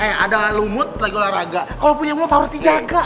eh ada lumut lagi olahraga kalau punya mut harus dijaga